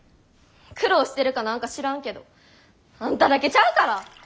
苦労してるかなんか知らんけどあんただけちゃうから！